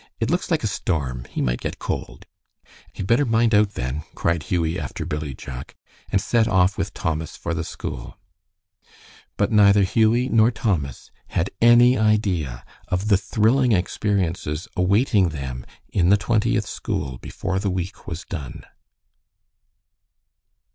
It looks like a storm; he might get cold." "He had better mind out, then," cried Hughie after Billy Jack, and set off with Thomas for the school. But neither Hughie nor Thomas had any idea of the thrilling experiences awaiting them in the Twentieth School before the week was done.